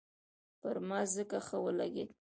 پر ما ځکه ښه ولګېد.